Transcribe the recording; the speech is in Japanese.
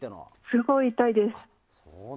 すごい痛いです。